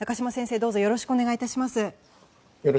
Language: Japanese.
どうぞよろしくお願い致します。